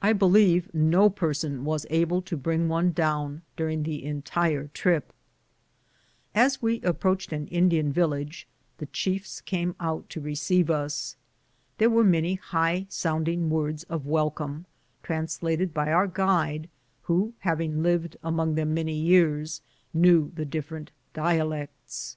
I believe no person was able to bring one down during the entire trip. As we approached an Indian village, the chiefs came out to receive us. There were many high sounding words of welcome, translated by our guide, who, having lived among them many years, knew the different dia lects.